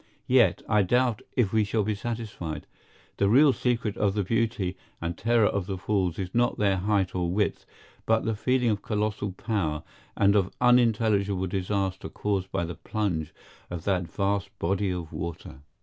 Yet, I doubt if we shall be satisfied. The real secret of the beauty and terror of the Falls is not their height or width, but the feeling of colossal power and of unintelligible disaster caused by the plunge of that vast body of water.